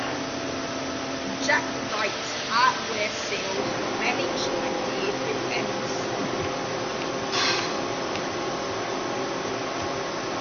Jacq-Rite's hardware sales were managed by David Ensor.